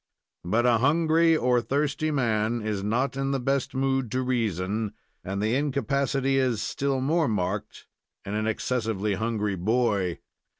But a hungry or thirsty man is not in the best mood to reason, and the incapacity is still more marked in an excessively hungry boy.